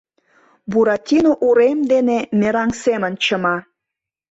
Буратино урем дене мераҥ семын чыма.